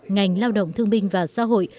ngành lao động thương minh và xã hội